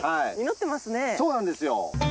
そうなんですよ。